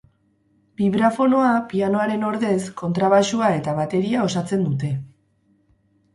Bibrafonoa, pianoaren ordez, kontrabaxua eta bateria osatzen dute.